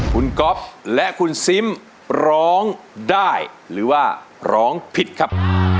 คุณก๊อฟและคุณซิมร้องได้หรือว่าร้องผิดครับ